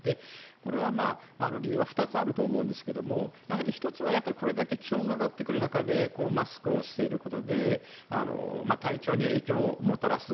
これは、理由は２つあると思うんですがやはり１つはこれだけ気温が上がってくる中でマスクをしていることで体調に影響をもたらす。